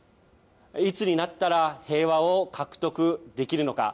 いつになったら平和を獲得できるのか。